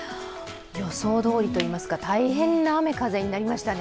予想どおりといいますか、大変な雨・風になりましたね。